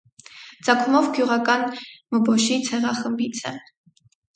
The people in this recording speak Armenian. Ծագումով գյուղական մբոշի ցեղախմբից է։